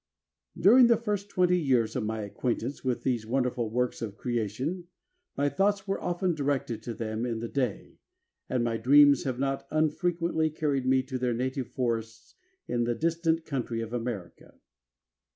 During the first twenty years of my acquaintance with these wonderful works of creation my thoughts were often directed to them in the day, and my dreams have not unfrequently carried me to their native forests in the distant country of America."